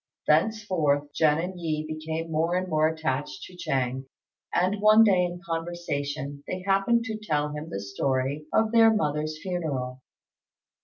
Thenceforth Jen and Yi became more and more attached to Ch'êng; and one day, in conversation, they happened to tell him the story of their mother's funeral.